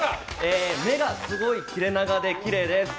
目がすごい切れ長できれいです。